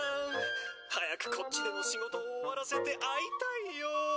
「早くこっちでの仕事を終わらせて会いたいよ！」